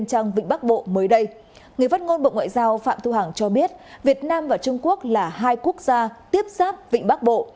các bộ ngoại giao phạm thu hằng cho biết việt nam và trung quốc là hai quốc gia tiếp xác vịnh bắc bộ